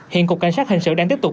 hiện cục cảnh sát hành sự đang tiếp tục